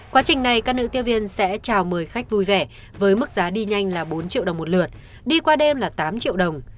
quá trình này các nữ tiếp viên sẽ chào mời khách vui vẻ với mức giá đi nhanh là bốn triệu đồng một lượt đi qua đêm là tám triệu đồng